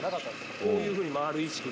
こういうふうに回る意識は。